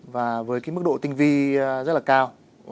và với cái mức độ tinh vi rất là cao